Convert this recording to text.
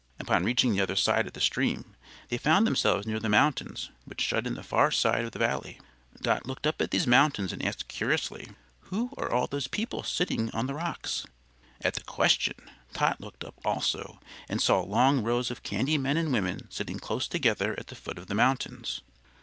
Upon reaching the other side of the stream they found themselves near the mountains, which shut in the far side of the Valley. Dot looked up at these mountains and asked, curiously, "Who are all those people sitting on the rocks?" At the question, Tot looked up also and saw long rows of candy men and women sitting close together at the foot of the mountains.